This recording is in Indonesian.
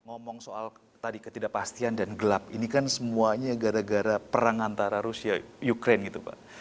ngomong soal ketidakpastian dan gelap ini kan semuanya gara gara perang antara rusia dan ukraine